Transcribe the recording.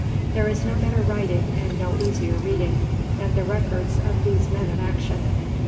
There is no better writing, and no easier reading, than the records of these men of action.